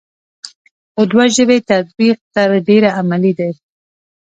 خو دوه ژبې تطبیق تر ډېره عملي دی ا